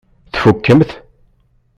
Tfukemt?